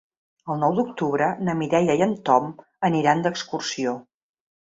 El nou d'octubre na Mireia i en Tom aniran d'excursió.